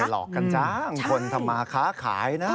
หลอกกันจ้างคนทำมาค้าขายนะ